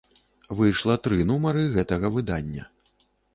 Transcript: Выйшла тры нумары гэтага выдання.